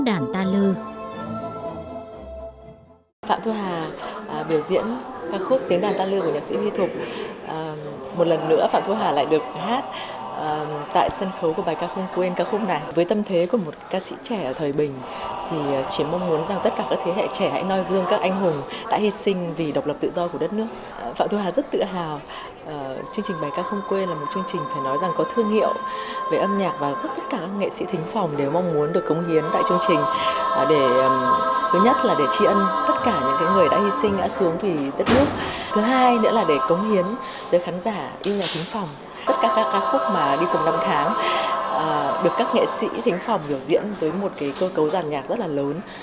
được các nghệ sĩ thính phòng biểu diễn với một cơ cấu giàn nhạc rất là lớn